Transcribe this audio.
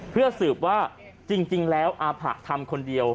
เพื่อสืบว่าจริงแล้วอาผะทำคนเดียว